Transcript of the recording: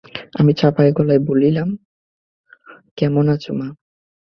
আমি চাপা গলায় বললাম, কেমন আছ মা?